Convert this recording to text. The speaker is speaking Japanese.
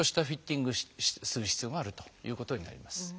フィッティングする必要があるということになります。